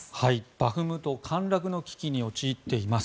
バフムト陥落の危機に陥っています。